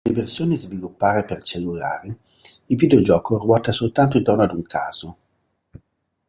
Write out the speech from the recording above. Nelle versioni sviluppare per cellulari, il videogioco ruota soltanto intorno ad un caso.